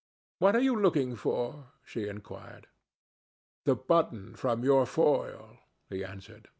"What are you looking for?" she inquired. "The button from your foil," he answered.